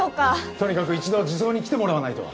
とにかく一度児相に来てもらわないと。